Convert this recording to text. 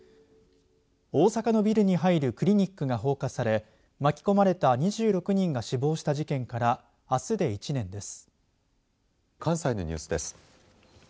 大阪のビルに入るクリニックが放火され巻き込まれた２６人が死亡した事件からあすで１年です。